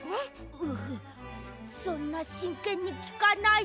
ううそんなしんけんにきかないで。